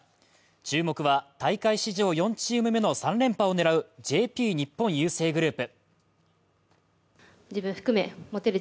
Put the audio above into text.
注目は大会史上４チーム目の３連覇を狙うＪＰ日本郵政グループ。